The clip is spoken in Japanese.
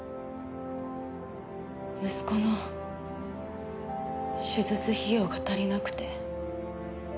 息子の手術費用が足りなくて。